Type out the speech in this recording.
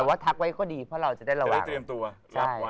เพราะเราจะได้ระวังจะได้เตรียมตัว